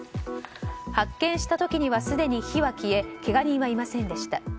発見した時にはすでに火は消えけが人はいませんでした。